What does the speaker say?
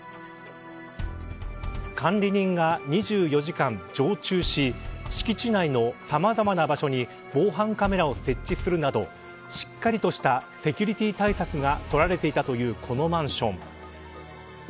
管理人が２４時間常駐し敷地内のさまざまな場所に防犯カメラを設置するなどしっかりとしたセキュリティー対策が取られていたというこのマンション。